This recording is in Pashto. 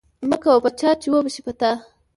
ـ مه کوه په چا ،چې وبشي په تا.